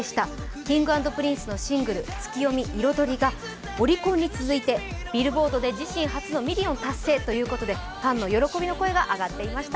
Ｋｉｎｇ＆Ｐｒｉｎｃｅのシングル「ツキヨミ／彩り」がオリコンに続いてＢｉｌｌｂｏａｒｄで自身初のミリオン達成ということでファンの喜びの声が上がっていました。